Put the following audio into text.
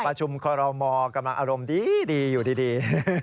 ประชุมคอรมอกำลังอารมณ์ดีอยู่ดี